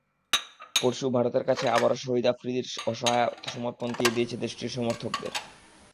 পরশু ভারতের কাছে আবারও শহীদ আফ্রিদিদের অসহায় আত্মসমর্পণ তাতিয়ে দিয়েছে দেশটির সমর্থকদের।